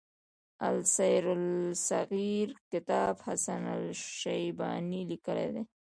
السير الصغير کتاب حسن الشيباني ليکی دی.